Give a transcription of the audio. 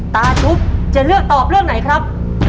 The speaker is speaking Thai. ชุบจะเลือกตอบเรื่องไหนครับ